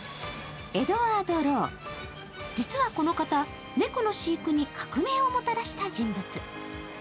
エドワード・ロウ、実はこの方、猫の飼育に革命をもたらした人物。